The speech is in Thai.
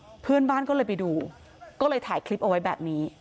เพื่อนบ้านก็เลยไปดูก็เลยถ่ายคลิปเอาไว้แบบนี้